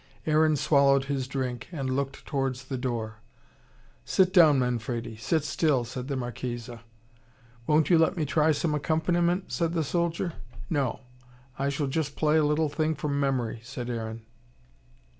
Aaron swallowed his drink, and looked towards the door. "Sit down, Manfredi. Sit still," said the Marchesa. "Won't you let me try some accompaniment?" said the soldier. "No. I shall just play a little thing from memory," said Aaron.